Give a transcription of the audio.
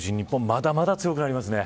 まだまだ強くなりますね。